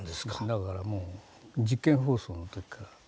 だからもう実験放送の時から。